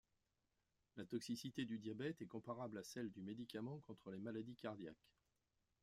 La toxicité du diabète est comparable à celle du médicament contre les maladies cardiaques.